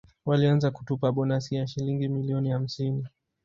Walianza kutupa bonasi ya Shilingi milioni hamsini